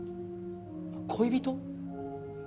恋人？